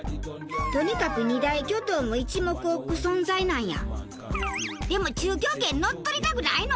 とにかく二大巨頭も一目置く存在なんや。